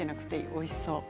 おいしそう。